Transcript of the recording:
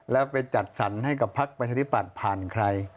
แล้วไปจัดสรรค์ให้กับภักดิ์ไปอธิบายผ่านใคร